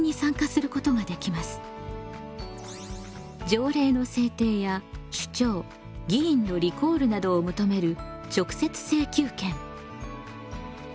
条例の制定や首長議員のリコールなどを求める直接請求権。